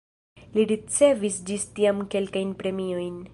Li ricevis ĝis tiam kelkajn premiojn.